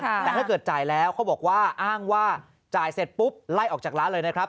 แต่ถ้าเกิดจ่ายแล้วเขาบอกว่าอ้างว่าจ่ายเสร็จปุ๊บไล่ออกจากร้านเลยนะครับ